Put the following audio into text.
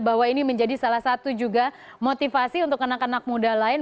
bahwa ini menjadi salah satu juga motivasi untuk anak anak muda lain